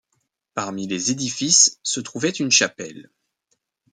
Parmi les édifices se trouvait une chapelle.